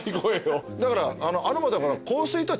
だから。